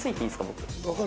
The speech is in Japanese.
僕。